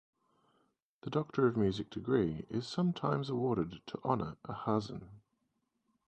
The doctor of music degree is sometimes awarded to honour a "hazzan".